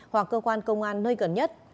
hoặc cơ quan công an nơi gần nhất